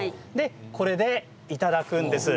これでいただくんですね。